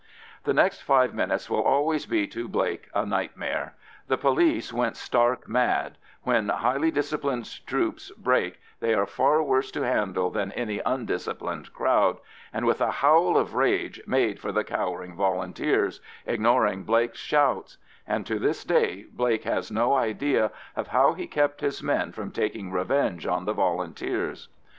The next five minutes will always be to Blake a nightmare: the police went stark mad,—when highly disciplined troops break they are far worse to handle than any undisciplined crowd,—and with a howl of rage made for the cowering Volunteers, ignoring Blake's shouts; and to this day Blake has no idea of how he kept his men from taking revenge on the Volunteers.